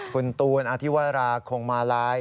คุณตูนอธิวราคงมาลัย